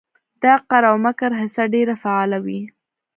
د قار او مکر حصه ډېره فعاله وي